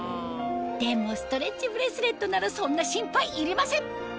でもストレッチブレスレットならそんな心配いりません